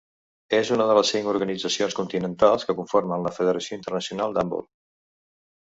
És una de les cinc organitzacions continentals que conformen la Federació Internacional d'Handbol.